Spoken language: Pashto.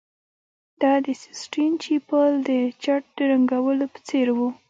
دا د سیسټین چیپل د چت د رنګولو په څیر و